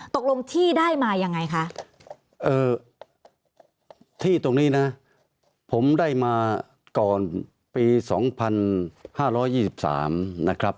ตกลงที่ได้มายังไงคะเอ่อที่ตรงนี้นะผมได้มาก่อนปีสองพันห้าร้อยยี่สิบสามนะครับ